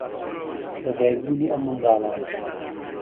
لەدایکبوونی ئەم منداڵانە